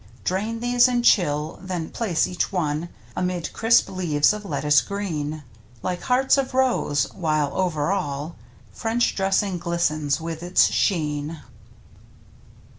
Drain these and chill, then place each one Amid crisp leaves of lettuce green, Like hearts of rose, while over all French dressing glistens with its sheen.